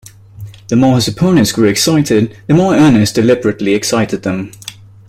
The more his opponents grew excited, the more Ernest deliberately excited them.